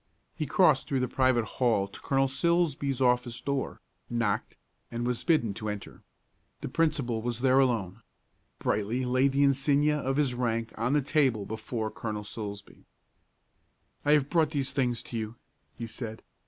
He crossed through the private hall to Colonel Silsbee's office door, knocked, and was bidden to enter. The principal was there alone. Brightly laid the insignia of his rank on the table before Colonel Silsbee. "I have brought these things to you," he said.